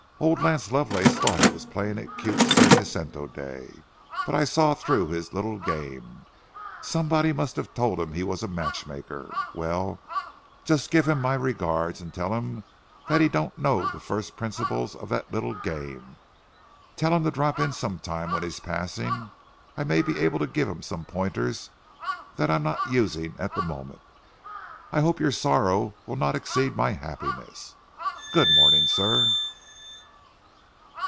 Old Lance Lovelace thought he was playing it cute San Jacinto Day, but I saw through his little game. Somebody must have told him he was a matchmaker. Well, just give him my regards, and tell him he don't know the first principles of that little game. Tell him to drop in some time when he's passing; I may be able to give him some pointers that I'm not using at the moment. I hope your sorrow will not exceed my happiness. Good morning, sir."